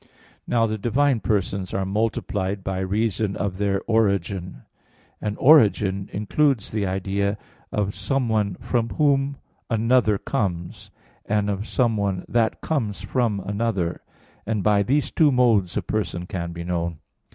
Now the divine persons are multiplied by reason of their origin: and origin includes the idea of someone from whom another comes, and of someone that comes from another, and by these two modes a person can be known.